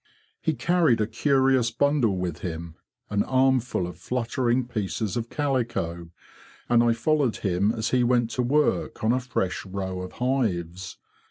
He carried a curious bundle with him, an armful of fluttering pieces of calico, and I followed him as he went to work on a fresh row of hives.